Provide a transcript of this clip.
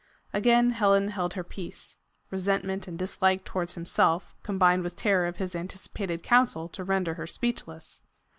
Again Helen held her peace. Resentment and dislike towards himself combined with terror of his anticipated counsel to render her speechless.